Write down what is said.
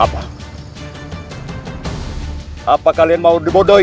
basinah itu membuat kita ingin pergi